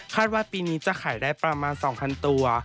ว่าปีนี้จะขายได้ประมาณ๒๐๐ตัว